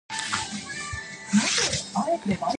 The hyperammonemia is less severe and the symptoms more subtle.